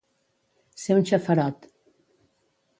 Ser un xafarot.